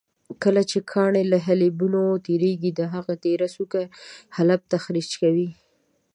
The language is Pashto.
کله چې کاڼي له حالبینو تېرېږي د هغوی تېره څوکه حالب تخریش کوي.